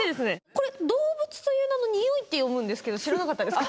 これ「動物」という名の「におい」って読むんですけど知らなかったですか？